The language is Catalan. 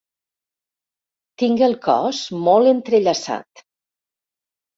Tinc el cos molt entrellaçat.